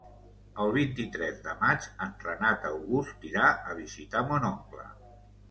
El vint-i-tres de maig en Renat August irà a visitar mon oncle.